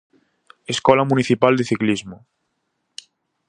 Escola municipal de ciclismo.